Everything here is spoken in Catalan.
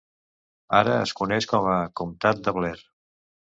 Ara es coneix com a comtat de Blair.